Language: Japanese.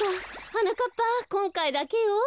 はなかっぱこんかいだけよ。